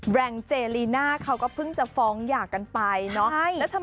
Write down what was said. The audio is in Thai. แรงเจลีน่าเขาก็เพิ่งจะฟ้องหย่ากันไปเนาะ